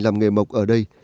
làm nghề mộc ở đây